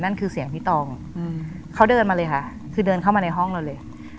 นั่นคือเสียงพี่ตองเขาเดินมาเลยค่ะคือเดินเข้ามาในห้องเราเลย